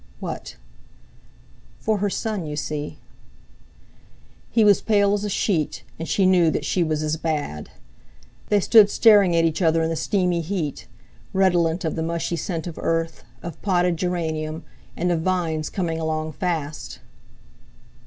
"What?" "For her son, you see." He was pale as a sheet, and she knew that she was as bad. They stood staring at each other in the steamy heat, redolent of the mushy scent of earth, of potted geranium, and of vines coming along fast.